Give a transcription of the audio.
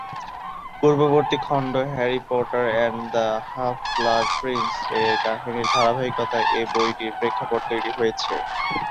পূর্ববর্তী খন্ড "Harry Potter and the Half Blood Prince" এর কাহিনীর ধারাবাহিকতায় এ বইটির প্রেক্ষাপট তৈরি হয়েছে।